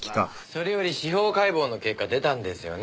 それより司法解剖の結果出たんですよね？